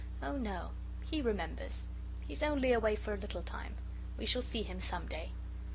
Oh, no, he remembers. He's only away for a little time. We shall see him some day."